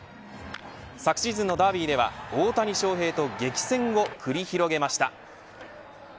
昨シーズンのダービーでは大谷翔平と激戦を繰り広げました。